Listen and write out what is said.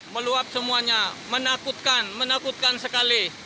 meluap semuanya menakutkan menakutkan sekali